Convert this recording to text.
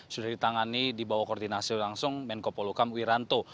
sudah ditangani di bawah koordinasi langsung menko polukam wiranto